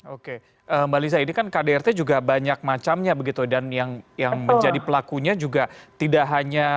oke mbak lisa ini kan kdrt juga banyak macamnya begitu dan yang menjadi pelakunya juga tidak hanya